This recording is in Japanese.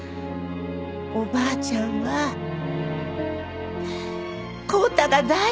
おばあちゃんは康太が大好きだよ。